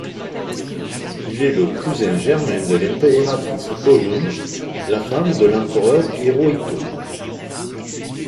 Il est le cousin germain de l'impératrice Kōjun, la femme de l'empereur Hirohito.